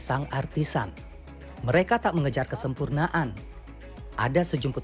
seninya tuh justru di sini